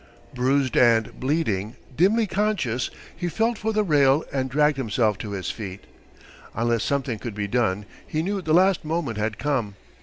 Bruised and bleeding, dimly conscious, he felt for the rail and dragged himself to his feet. Unless something could be done, he knew the last moment had come.